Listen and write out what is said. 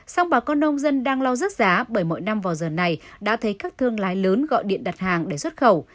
song bà con nông dân đang lo rớt giá bởi mọi năm vào giờ này đã thấy các thương lái lớn gọi điện đặt hàng để xuất khẩu